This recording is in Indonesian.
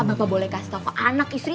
bapak boleh kasih tau ke anak istri